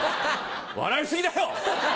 笑い過ぎだよ！